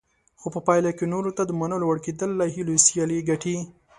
خو په پایله کې نورو ته د منلو وړ کېدل له هیلو سیالي ګټي.